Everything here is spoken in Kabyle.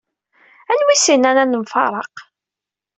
Anwa i as-innan ad nemfaraq?